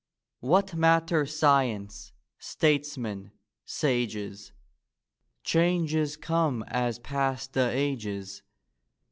What matter science, statesmen, sages? Changes come as pass the ages.